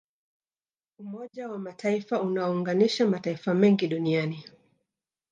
umoja wa mataifa unaounganisha mataifa mengi duniani